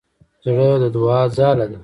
زړه د دوعا ځاله ده.